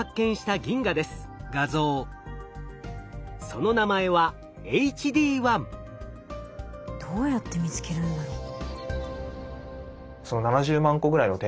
その名前はどうやって見つけるんだろう？